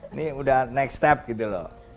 ini udah next step gitu loh